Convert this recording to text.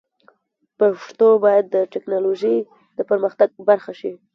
پښتو باید د ټکنالوژۍ د پرمختګ برخه شي.